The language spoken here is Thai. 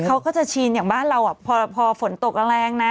เขาก็จะชินอย่างบ้านเราพอฝนตกแรงนะ